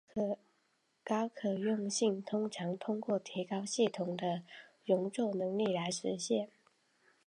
高可用性通常通过提高系统的容错能力来实现。